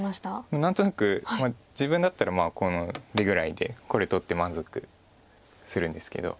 何となく自分だったらこの出ぐらいでこれ取って満足するんですけど。